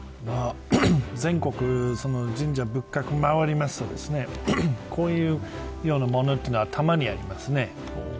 全国、神社仏閣を回るとこういうようなものはたまにありますね。